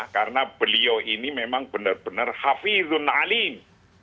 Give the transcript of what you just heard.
karena beliau ini memang benar benar hafidhun alim